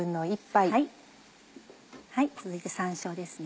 続いて山椒ですね。